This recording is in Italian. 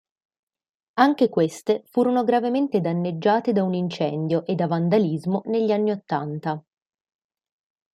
Anche queste furono gravemente danneggiate da un incendio e da vandalismo negli anni ottanta.